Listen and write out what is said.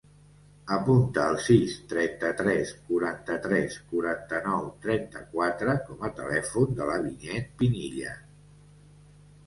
Apunta el sis, trenta-tres, quaranta-tres, quaranta-nou, trenta-quatre com a telèfon de la Vinyet Pinilla.